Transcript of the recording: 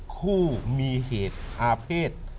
คู่มีเหตุอาเภษ